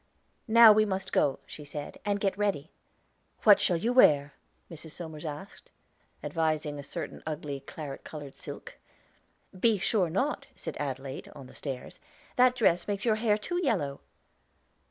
"Now we must go," she said, "and get ready." "What shall you wear?" Mrs. Somers asked, advising a certain ugly, claret colored silk. "Be sure not," said Adelaide on the stairs. "That dress makes your hair too yellow."